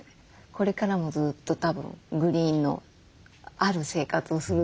これからもずっとたぶんグリーンのある生活をすると思います。